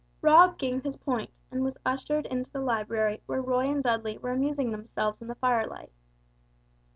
Rob gained his point, and was ushered into the library where Roy and Dudley were amusing themselves in the firelight.